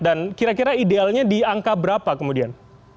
dan kira kira idealnya di angka berapa kemudian